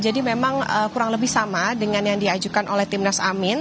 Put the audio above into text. jadi memang kurang lebih sama dengan yang diajukan oleh timnas amin